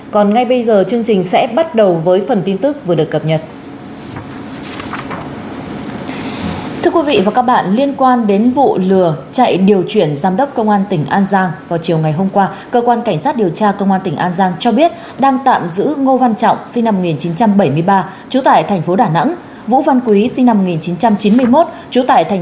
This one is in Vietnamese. còn ngay bây giờ chương trình sẽ bắt đầu với phần tin tức vừa được cập nhật